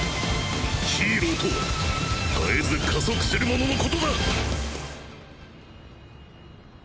ヒーローとは絶えず加速する者のことだ。